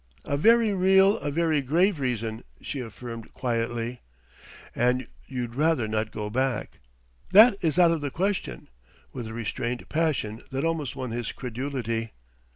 "A very real, a very grave reason," she affirmed quietly. "And you'd rather not go back " "That is out of the question!" with a restrained passion that almost won his credulity.